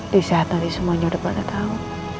di saat nanti semuanya sudah tahu